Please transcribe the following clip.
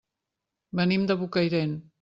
Venim de Bocairent.